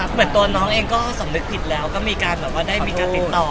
เหมือนตัวน้องเองก็สำนึกผิดแล้วก็มีการแบบว่าได้มีการติดต่อ